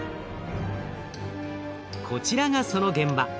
こちらがその現場。